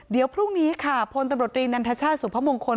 เดี๋ยวพรุ่งนี้ค่ะพลตำรวจรีนันทชาติสุพมงคล